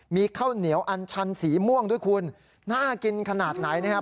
มีข้าวเหนียวอันชันสีม่วงด้วยคุณน่ากินขนาดไหนนะครับ